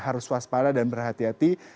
harus waspada dan berhati hati